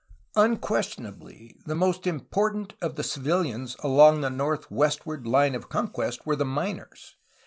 Unquestionably the most important of the civilians along the northwestward line of conquest were the miners.